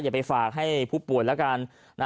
อย่าไปฝากให้ผู้ป่วยแล้วกัน